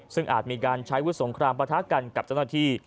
ซึ่งอาจมีการใช้วุฒิสงครามประทะกันกับเจ้าหน้าที่